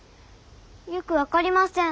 よく分かりません。